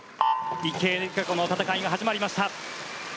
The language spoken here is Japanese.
池江璃花子の戦いが始まりました。